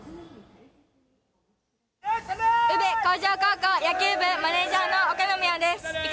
宇部鴻城高校野球部マネージャーの岡野美和です。